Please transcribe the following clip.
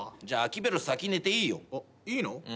じゃあアキベロス先寝ていいよ。いいの？